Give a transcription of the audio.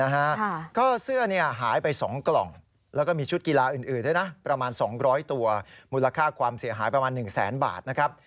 หรือเอาไปขายคนก็รู้หมดสิว่าขโมยมานะฮะ